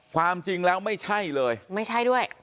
ความจริงแล้วไม่ใช่เลยไม่ใช่ด้วย